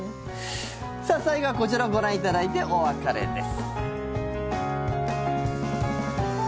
さあ、最後はこちらをご覧いただいてお別れです。